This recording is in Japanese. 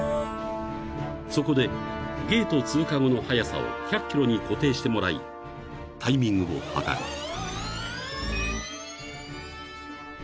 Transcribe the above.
［そこでゲート通過後の速さを１００キロに固定してもらいタイミングを計る］